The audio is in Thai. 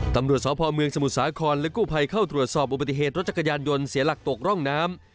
ตำรวจสพเมืองสมุทรสาครและกู้ภัยเข้าตรวจสอบอุบัติเหตุรถจักรยานยนต์เสียหลักตกร่องน้ำ